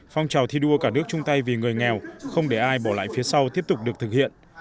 phong trào thi đua cả nước chung tay vì người nghèo không để ai bỏ lại phía sau tiếp tục được thực hiện